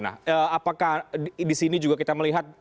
nah apakah di sini juga kita melihat